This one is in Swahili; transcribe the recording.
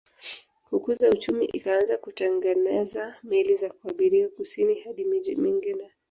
Kukuza uchumi ikaanza kutengeneza meli za kuabiria kusini hadi miji mingine